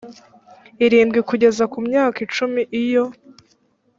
irindwi kugeza ku myaka icumi iyo